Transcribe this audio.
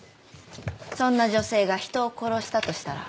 そんな女性が人を殺したとしたら？